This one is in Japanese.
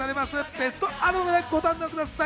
ベストアルバムでご堪能ください。